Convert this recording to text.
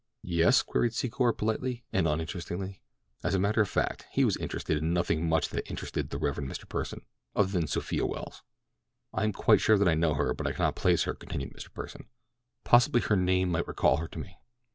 "Yes?" queried Secor politely, and uninterestedly. As a matter of fact, he was interested in nothing much that interested the Rev. Mr. Pursen—other than Sophia Welles. "I am quite sure that I know her, but I cannot place her," continued Mr. Pursen. "Possibly her name might recall her to me."